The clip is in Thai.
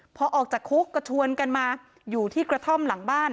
พอออกจากคุกก็ชวนกันมาอยู่ที่กระท่อมหลังบ้าน